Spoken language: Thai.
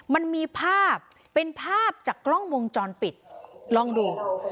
มันมีภาพเป็นภาพจากกล้องวงจรปิดลองดู